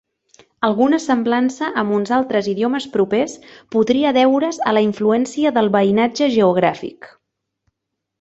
Alguna semblança amb uns altres idiomes propers podria deure's a la influència del veïnatge geogràfic.